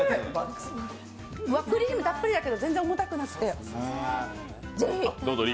クリームたっぷりだけど全然重たくなくて。